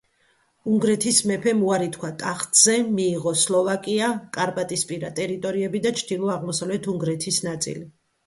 უნგრეთის მეფემ უარი თქვა ტახტზე, მიიღო სლოვაკია, კარპატისპირა ტერიტორიები და ჩრდილო-აღმოსავლეთ უნგრეთის ნაწილი.